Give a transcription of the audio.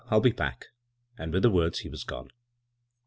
I'll be back 1 '" And with the words he was gone.